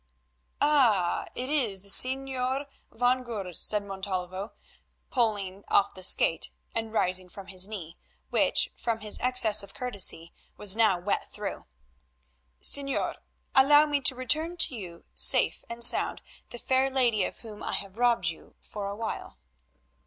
"Ah! it is the Señor van Goorl," said Montalvo, pulling off the skate and rising from his knee, which, from his excess of courtesy, was now wet through. "Señor, allow me to return to you, safe and sound, the fair lady of whom I have robbed you for a while."